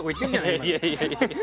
いやいやいやいや。